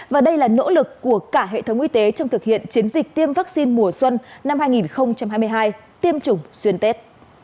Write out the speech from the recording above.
và đây là nỗ lực của cả hệ thống y tế trong thực hiện chiến dịch tiêm vaccine mùa xuân năm hai nghìn hai mươi hai tiêm chủng xuyên tết